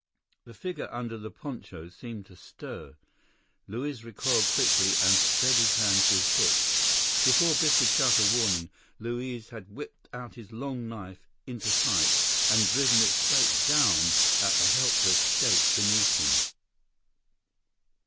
The figure under the poncho seemed to stir. Luiz recoiled quickly and sped his hand to his hip. Before Biff could shout a warning, Luiz had whipped out his long knife into sight and driven it straight down at the helpless shape beneath him.